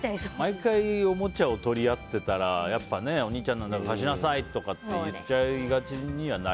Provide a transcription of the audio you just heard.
毎回おもちゃを取り合ってたらお兄ちゃんなんだから貸しなさいって言っちゃいがちにはなる。